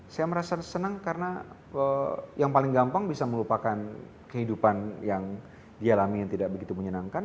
saya merasa senang karena yang paling gampang bisa melupakan kehidupan yang dialami yang tidak begitu menyenangkan